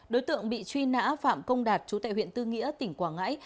đối tượng bị truy nã phạm công đạt chú tại huyện tư nghĩa tỉnh quảng ngãi